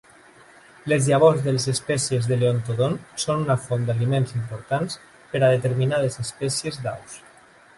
Les llavors de les espècies de "Leontodon" són una font d'aliments important per a determinades espècies d'aus.